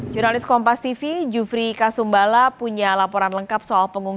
jurnalis kompas tv jufri kasumbala punya laporan lengkap soal pengungsian pemadam kebakaran di jumat